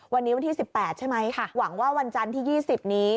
วันนี้วันที่๑๘ใช่ไหมหวังว่าวันจันทร์ที่๒๐นี้